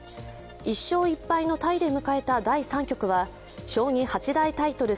１勝１敗のタイで迎えた第三局は将棋八大タイトル